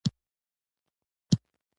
د انګلیسیانو په مقابل کې مشران مریدان ول.